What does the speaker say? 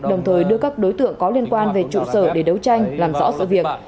đồng thời đưa các đối tượng có liên quan về trụ sở để đấu tranh làm rõ sự việc